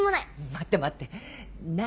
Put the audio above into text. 待って待って何？